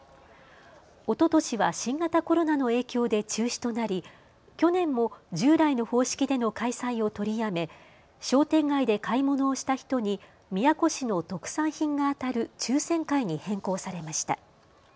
おととしは新型コロナの影響で中止となり、去年も従来の方式での開催を取りやめ、商店街で買い物をした人に宮古市の特産品が当たる抽せん会に変更されました。